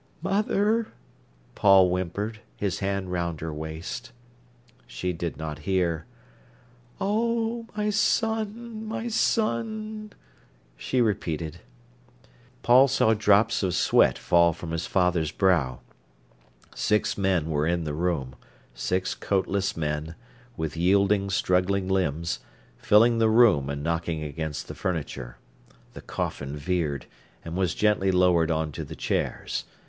"Mother!" Paul whimpered, his hand round her waist. She did not hear. "Oh, my son—my son!" she repeated. Paul saw drops of sweat fall from his father's brow. Six men were in the room—six coatless men, with yielding, struggling limbs, filling the room and knocking against the furniture. The coffin veered, and was gently lowered on to the chairs.